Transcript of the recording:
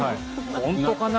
本当かな？